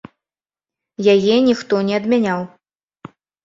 Яе ніхто не адмяняў!